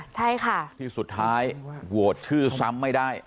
ใช่ค่ะที่สุดท้ายโหวตชื่อซ้ำไม่ได้